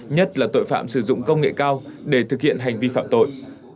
nhất là tội phạm sử dụng công nghệ cao để thực hiện hành vi phạm tội